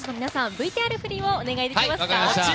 ＶＴＲ振りをお願いできますか。